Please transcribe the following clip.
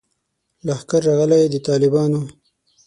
لښکر راغلی د طالبانو